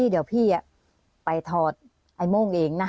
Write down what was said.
เดี๋ยวพี่ไปถอดไอ้โม่งเองนะ